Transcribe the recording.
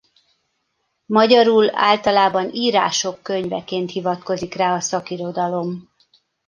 Magyarul általában Írások könyveként hivatkozik rá a szakirodalom.